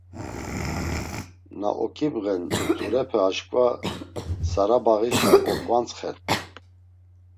Na oǩibğen mturepe aşǩva sarabağişa oǩvantsxvert̆u.